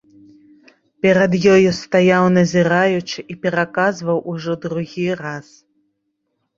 Перад ёю стаяў назіраючы і пераказваў ужо другі раз.